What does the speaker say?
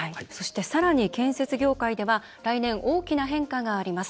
さらに、建設業界では来年、大きな変化があります。